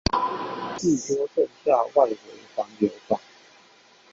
至多剩下外圍環流吧